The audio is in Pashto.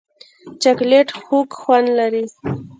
چاکلېټ خوږ خوند لري.